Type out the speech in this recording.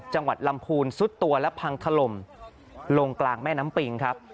จังหวัดลำพูนซุดตัวและพังถล่มลงกลางแม่น้ำปิงครับ